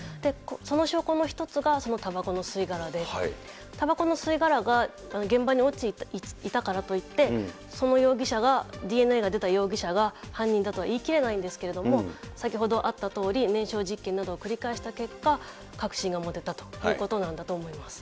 その証拠の一つが、そのたばこの吸い殻で、たばこの吸い殻が現場に落ちていたからといって、その容疑者がＤＮＡが出た容疑者が犯人だと言い切れないんですけれども、先ほどあったとおり、燃焼実験などを繰り返した結果、確信が持てたということなんだと思います。